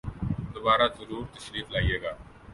دوبارہ ضرور تشریف لائیئے گا